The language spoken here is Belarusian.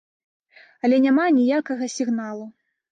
Але няма ніякага сігналу.